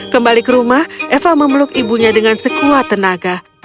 kembali ke rumah eva memeluk ibunya dengan sekuat tenaga